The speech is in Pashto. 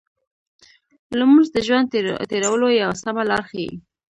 لمونځ د ژوند تېرولو یو سمه لار ښيي.